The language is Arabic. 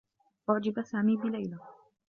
أُعجب سامي بليلى.